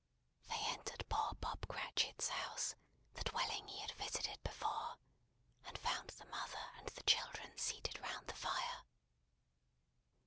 They entered poor Bob Cratchit's house; the dwelling he had visited before; and found the mother and the children seated round the fire.